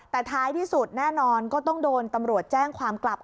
แต่ท้ายที่สุดแน่นอนก็ต้องโดนตำรวจแจ้งความกลับ